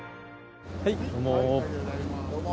はいどうも。